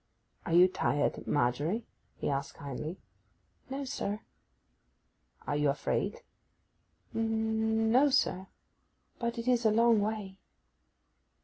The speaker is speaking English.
'Are you tired, Margery?' he asked kindly. 'No, sir.' 'Are you afraid?' 'N—no, sir. But it is a long way.